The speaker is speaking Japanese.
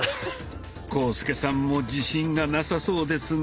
浩介さんも自信がなさそうですが。